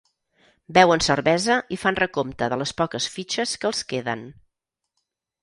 Beuen cervesa i fan recompte de les poques fitxes que els queden.